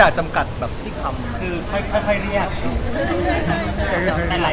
คุมัยมันพัฒนาขึ้นไหมครับพวกเรา